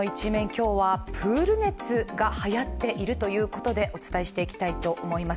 今日はプール熱がはやっているということでお伝えしていきたいと思います。